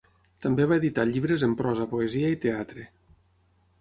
També va editar llibres en prosa, poesia i teatre.